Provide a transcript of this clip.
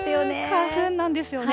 花粉なんですよね。